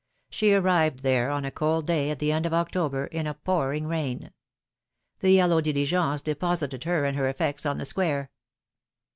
She arrived there on a cold day at the end of October, in a pouring rain. The yellow diligence deposited her and her effects on the square.